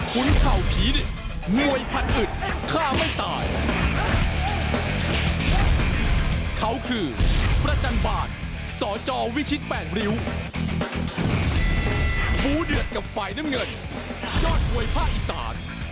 หูเดือดกับไฟน้ำเงินยอดมวยภาคอีสาน